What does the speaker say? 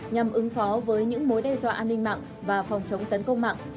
nhằm ứng phó với những mối đe dọa an ninh mạng và phòng chống tấn công mạng